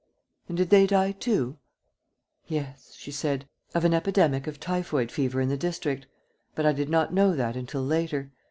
"And did they die, too?" "Yes," she said, "of an epidemic of typhoid fever in the district ... but I did not know that until later.